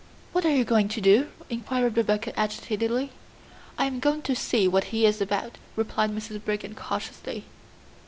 "What are you going to do?" inquired Rebecca agitatedly. "I am going to see what he is about," replied Mrs. Brigham cautiously.